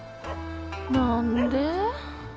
何で？